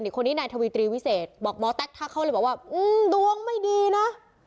คนนี้นายทวีตรีวิเศษบอกหมอแต๊กทักเขาเลยบอกว่าดวงไม่ดีนะ